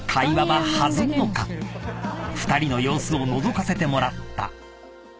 ［２人の様子をのぞかせてもらった］